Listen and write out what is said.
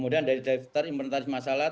dari daftar imponentaris masalah